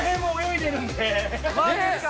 マジっすか。